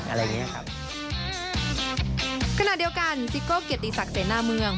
คนเดียวกันซิโกรศ์เกียรติศักดิ์เศร้าเมือง